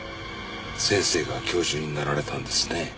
先生が教授になられたんですね。